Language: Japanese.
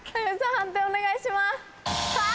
判定お願いします。